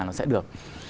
nó sẽ được